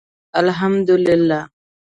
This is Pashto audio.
الحمدالله